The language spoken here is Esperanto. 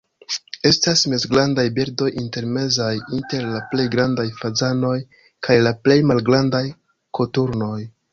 Estas mezgrandaj birdoj, intermezaj inter la plej grandaj fazanoj kaj la plej malgrandaj koturnoj.